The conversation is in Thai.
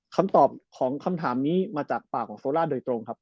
คำตอบของคำถามนี้มาจากปากของโซล่าโดยตรงครับ